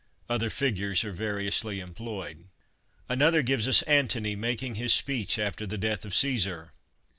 Other figures are variously employed. Another, gives us Antony ' making his speech after the death of Caesar.'